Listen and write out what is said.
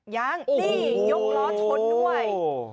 ยังนี่ยกล้อชนด้วย